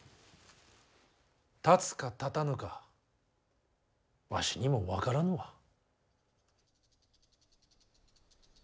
立つか立たぬかわしにも分からぬわ。